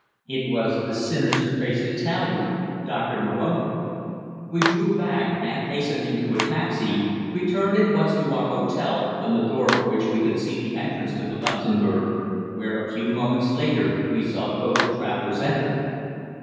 It was the sinister faced Italian, Doctor Moroni. We drew back, and hastening to a taxi, returned at once to our hotel, from the door of which we could see the entrance to the Luxembourg, where a few moments later we saw both the travellers enter.